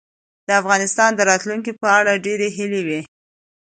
د افغانستان د راتلونکې په اړه ډېرې هیلې وې.